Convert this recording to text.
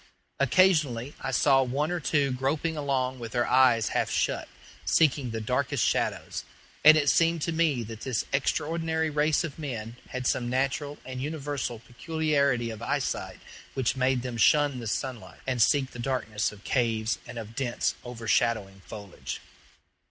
Occasionally I saw one or two groping along with their eyes half shut, seeking the darkest shadows; and it seemed to me that this extraordinary race of men had some natural and universal peculiarity of eyesight which made them shun the sunlight, and seek the darkness of caves and of dense, overshadowing foliage.